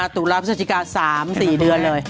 ๗๑๑ถูกรับพฤศจิกา๓๔เดือนเลย